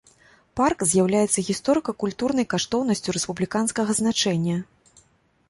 Парк з'яўляецца гісторыка-культурнай каштоўнасцю рэспубліканскага значэння.